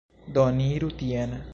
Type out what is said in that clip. Do, ni iru tien